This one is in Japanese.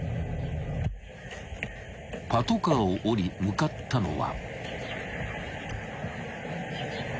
［パトカーを降り向かったのは］